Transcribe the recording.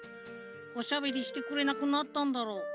おしゃべりしてくれなくなったんだろう。